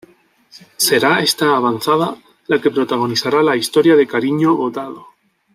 Será esta avanzada la que protagonizará la historia de cariño botado.